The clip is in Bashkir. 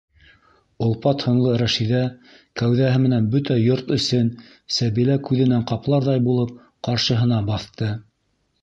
Олпат һынлы Рәшиҙә кәүҙәһе менән бөтә йорт эсен Сәбилә күҙенән ҡапларҙай булып ҡаршыһына баҫты: